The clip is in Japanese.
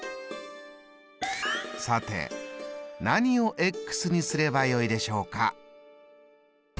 さて何をにすればよいでしょうか？